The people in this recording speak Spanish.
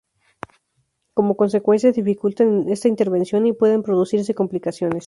Como consecuencia se dificultan esta intervención y pueden producirse complicaciones.